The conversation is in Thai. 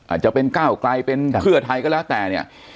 อาจจะเป็นก้าวไกลเป็นเพื่อไทยก็แล้วแต่เนี่ย